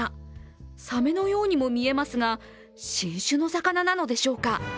サメのようにも見えますが新種の魚なのでしょうか。